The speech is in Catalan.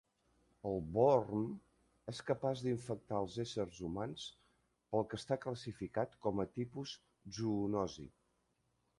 El "Borm" és capaç d'infectar els éssers humans, pel que està classificat com a tipus zoonosi.